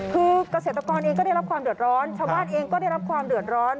คือเกษตรกรเองก็ได้รับความเดือดร้อนชาวบ้านเองก็ได้รับความเดือดร้อน